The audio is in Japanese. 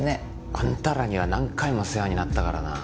あんたらには何回も世話になったからな。